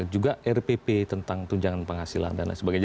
juga rpp tentang tunjangan penghasilan dan lain sebagainya